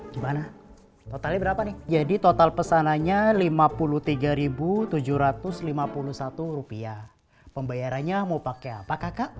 gimana totalnya berapa nih jadi total pesanannya lima puluh tiga tujuh ratus lima puluh satu rupiah pembayarannya mau pakai apa kakak